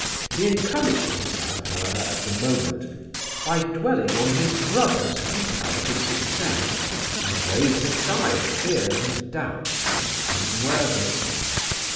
He encouraged himself, however, at the moment by dwelling on his brother's comparative success and waved aside fears and doubts as unworthy.